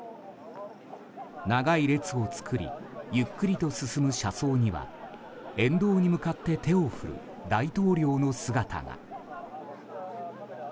長い列を作りゆっくりと進む車窓には沿道に向かって手を振る大統領の姿が。